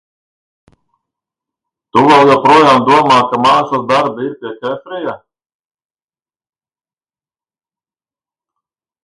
Tu vēl joprojām domā, ka mākslas darbi ir pie Kefrija?